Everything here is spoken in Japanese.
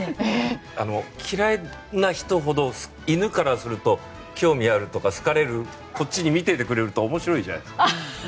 嫌いな人ほど犬からすると興味あるとか好かれるこっちを見ていてくれると面白いじゃないですか。